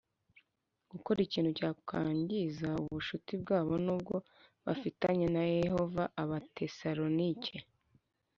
gukora ikintu cyakwangiza ubucuti bwabo n ubwo bafitanye na Yehova Abatesalonike